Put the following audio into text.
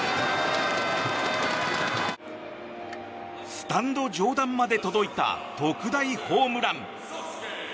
スタンド上段まで届いた特大ホームラン。